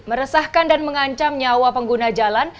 meresahkan dan mengancam nyawa pengguna jalan